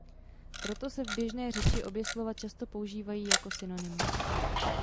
Proto se v běžné řeči obě slova často používají jako synonyma.